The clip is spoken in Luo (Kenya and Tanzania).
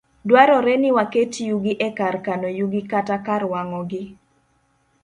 Dwarore ni waket yugi e kar kano yugi, kata kar wang'ogi.